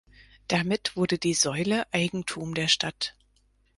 Damit wurde die Säule Eigentum der Stadt.